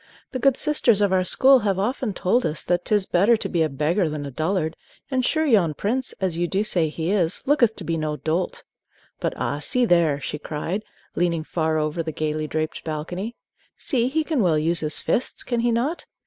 The good sisters of our school have often told us that 't is better to be a beggar than a dullard; and sure yon prince, as you do say he is, looketh to be no dolt. But ah, see there!" she cried, leaning far over the gayly draped balcony; "see, he can well use his fists, can he not!